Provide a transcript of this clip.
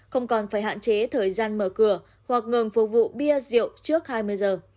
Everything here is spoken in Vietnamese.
không còn phải hạn chế thời gian mở cửa hoặc ngừng phục vụ bia rượu trước hai mươi giờ